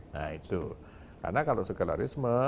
nah itu karena kalau sekelarisme